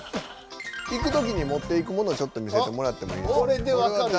行くときに持っていくものちょっと見せてもらってもいいですか？